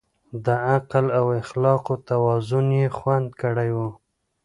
د عقل او اخلاقو توازن يې خوندي کړی و.